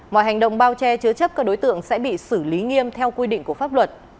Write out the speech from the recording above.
mọi hành động bao che chứa chấp các đối tượng sẽ bị xử lý nghiêm theo quy định của pháp luật